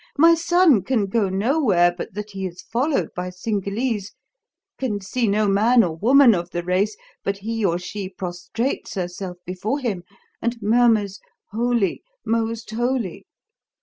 My son can go nowhere but that he is followed by Cingalese; can see no man or woman of the race, but he or she prostrates herself before him and murmurs, 'Holy, most holy!'